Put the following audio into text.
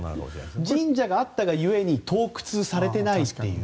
神社があったが故に盗掘されていないと。